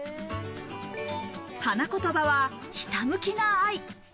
花言葉は「ひたむきな愛」。